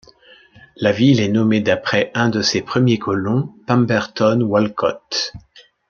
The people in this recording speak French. La ville est nommée d'après un de ses premiers colons, Pemberton Walcott.